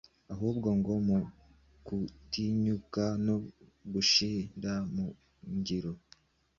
Ahubwo ngo mu gutinyuka no gushyira mu ngiro